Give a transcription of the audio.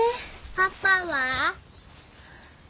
パパは？